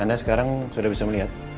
anda sekarang sudah bisa melihat